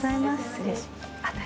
失礼します。